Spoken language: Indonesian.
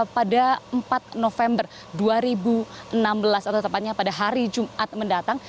pada empat november dua ribu enam belas atau tepatnya pada hari jumat mendatang